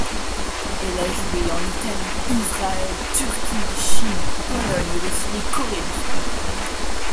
Elle a joué en Italie, Israël, Turquie, Chine, Pologne, Russie et Corée du Sud.